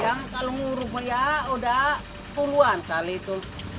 yang kalau nguruknya udah puluhan kali itu